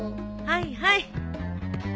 はいはい。